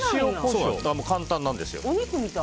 簡単なんですよ。